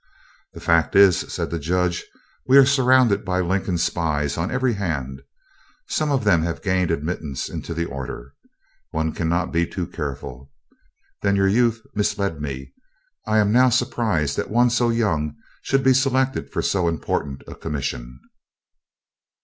"The fact is," said the Judge, "we are surrounded by Lincoln spies on every hand. Some of them have gained admittance into the order. One cannot be too careful. Then your youth misled me. I am now surprised that one so young should be selected for so important a commission."